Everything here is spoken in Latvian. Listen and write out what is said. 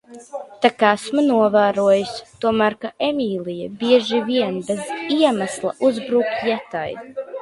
Tak esmu novērojis tomēr ka Emīlija bieži vien bez iemesla uzbrūk Jetai.